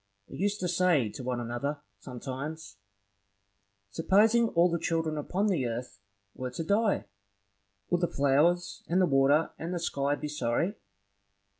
They used to say to one another, sometimes, Supposing all the children upon earth were to die, would the flowers, and the water, and the sky be sorry?